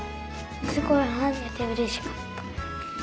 すごいはねてうれしかった。